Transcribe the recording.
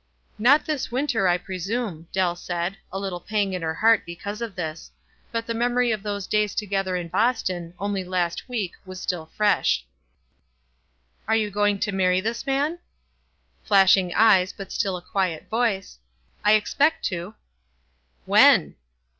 " "Not this winter, I presume," Dell said, — a little pang at her heart because of this ; but the memory of those days together in Boston, only last week, was still fresh. wf Are you going to marry this man?" Flashing eyes, but still a quiet voice. "I expect to." "When?"